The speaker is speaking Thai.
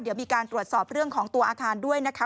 เดี๋ยวมีการตรวจสอบเรื่องของตัวอาคารด้วยนะคะ